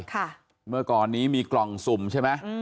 เมื่อก่อนนี้มีกล่องสุ่มใช่ไหมอืม